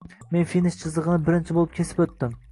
men finish chizigʻini birinchi boʻlib kesib oʻtdim